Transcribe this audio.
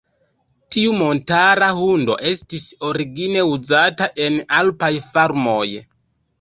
Tiu montara hundo estis origine uzata en alpaj farmoj.